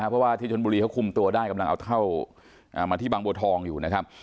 เพราะว่าที่ชนบุรีเขาคุมตัวได้กำลังเอาเท่ามาที่บางบัวทองอยู่นะครับ